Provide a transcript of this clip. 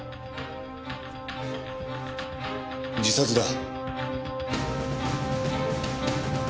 自殺だ。